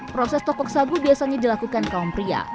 proses tokok sabu biasanya dilakukan kaum pria